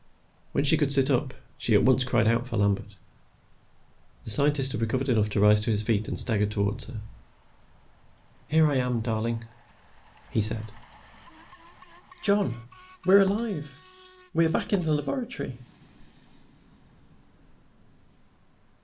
When she could sit up, she at once cried out for Lambert. The scientist had recovered enough to rise to his feet and stagger toward her. "Here I am, darling," he said. "John we're alive we're back in the laboratory!"